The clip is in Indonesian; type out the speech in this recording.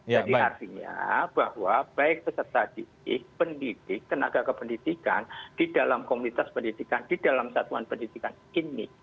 jadi artinya bahwa baik peserta didik pendidik tenaga kependidikan di dalam komunitas pendidikan di dalam satuan pendidikan ini